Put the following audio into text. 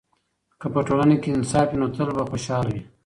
که په ټولنه کې انصاف وي، نو تل به خوشحاله وي.